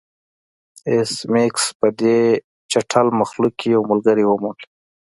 ایس میکس په دې چټل مخلوق کې یو ملګری وموند